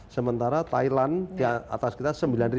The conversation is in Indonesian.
sementara thailand di atas kita sembilan lima ratus